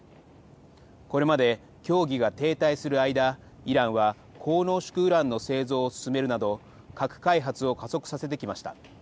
これまで協議が停滞する間、イランは高濃縮ウランの製造を進めるなど、核開発を加速させてきました。